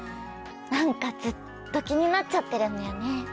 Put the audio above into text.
何かずっと気になっちゃってるんだよね。